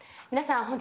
皆さん